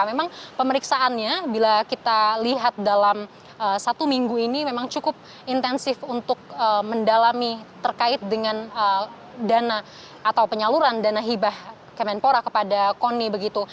memang pemeriksaannya bila kita lihat dalam satu minggu ini memang cukup intensif untuk mendalami terkait dengan dana atau penyaluran dana hibah kemenpora kepada koni begitu